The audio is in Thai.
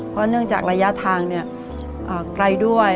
เพราะเนื่องจากระยะทางไกลด้วย